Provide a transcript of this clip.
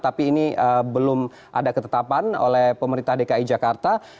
tapi ini belum ada ketetapan oleh pemerintah dki jakarta